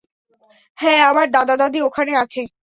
হ্যাঁ, আমার দাদা-দাদী ওখানে আছে।